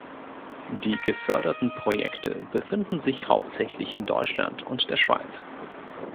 Die geförderten Projekte befinden sich hauptsächlich in Deutschland und der Schweiz.